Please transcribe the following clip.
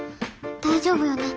大丈夫よね。